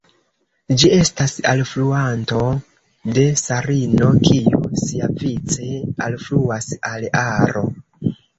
Ĝi estas alfluanto de Sarino, kiu siavice alfluas al Aro.